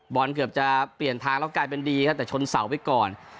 เกือบจะเปลี่ยนทางแล้วกลายเป็นดีครับแต่ชนเสาไปก่อน